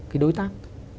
cái đối tác